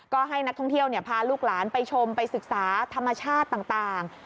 ก็ให้นักท่องเที่ยวพาลูกหลานไปชมไปศึกษาธรรมชาติต่าง